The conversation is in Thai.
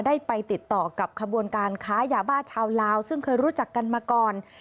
ได้ไปติดต่อกับขบวนการค้ายาบ้าชาวลาวซึ่งเคยรู้จักกันมาก่อน